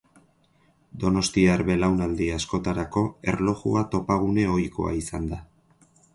Donostiar belaunaldi askotarako erlojua topagune ohikoa izan da.